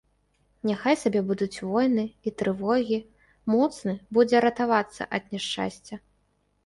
Няхай сабе будуць войны і трывогі, моцны будзе ратавацца ад няшчасця.